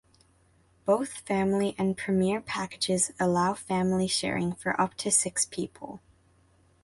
Both family and premier packages allow family sharing for up to six people.